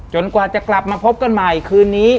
กว่าจะกลับมาพบกันใหม่คืนนี้